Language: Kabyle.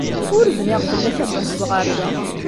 Ur bniɣ fell-ak ad d-taseḍ ɣer da.